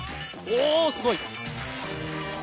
おお、すごい！